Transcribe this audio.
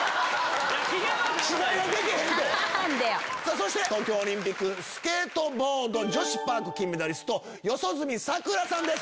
そして東京オリンピックスケートボード女子パーク金メダリスト四十住さくらさんです。